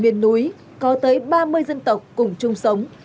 miền núi có tới ba mươi dân tộc cùng chung sống